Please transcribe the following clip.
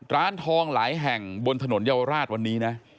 ร้านทองหลายแห่งบนถนนเยาวราชวันนี้นะ